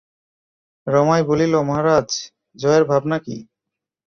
রমাই বলিল, মহারাজ, জয়ের ভাবনা কী?